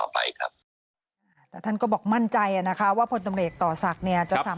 ซึ่งเรื่องแรกที่ผ่อบอตรคนใหม่ต้องรีบทำหลังรับตำแหน่งก็คือ